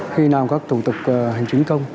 khi nào có các thủ tục hành chính công